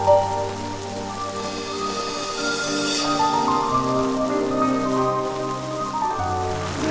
aku mau mundur